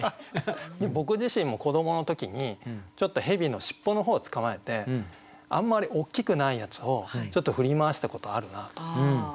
僕自身も子どもの時に蛇の尻尾の方捕まえてあんまり大きくないやつをちょっと振り回したことあるなと。